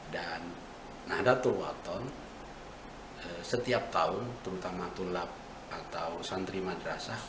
dan nahdlatul watton setiap tahun terutama tulab atau santri madrasah